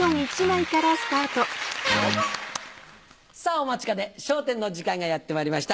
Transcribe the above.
お待ちかね『笑点』の時間がやってまいりました。